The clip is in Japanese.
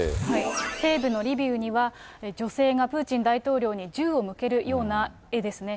西部のリビウには女性がプーチン大統領に銃を向けるような絵ですね。